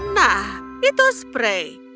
nah itu spray